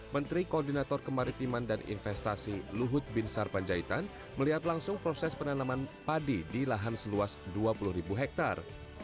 menteri koordinator kemaritiman dan investasi luhut bin sarpanjaitan melihat langsung proses penanaman padi di lahan seluas dua puluh ribu hektare